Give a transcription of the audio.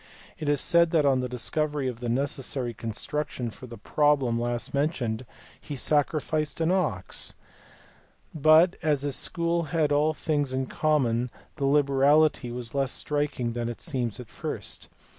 It is said that on the discovery of the necessary construction for the problem last mentioned he sacrificed an ox, but as his school had all things in common the liberality was less striking than it seems at first.